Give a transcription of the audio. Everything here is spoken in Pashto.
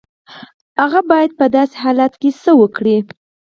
هغه بايد په داسې حالت کې څه وکړي؟